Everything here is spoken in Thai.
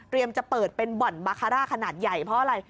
จะเปิดเป็นบ่อนบาคาร่าขนาดใหญ่เพราะอะไร